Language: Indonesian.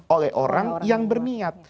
oleh orang yang berniat